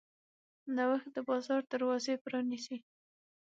نوښت د بازار دروازې پرانیزي.